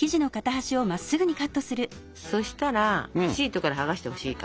そしたらシートから剥がしてほしいから。